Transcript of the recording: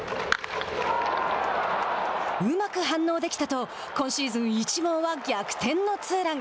うまく反応できたと今シーズン１号は逆転のツーラン。